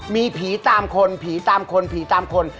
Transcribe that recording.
มีผีตามคนผีตามคนผีตามคน